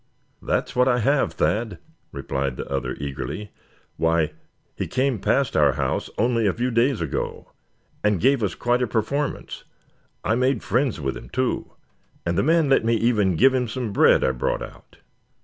"That's what I have, Thad," replied the other, eagerly. "Why he came past our house only a few days ago, and gave us quite a performance. I made friends with him too, and the man let me even give him some bread I brought out."